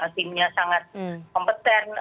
timnya sangat kompeten